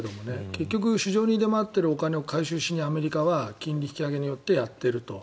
結局、市場に出回っているお金を回収しにアメリカは金利引き上げによってやっていると。